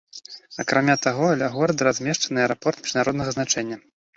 Акрамя таго, ля горада размешчаны аэрапорт міжнароднага значэння.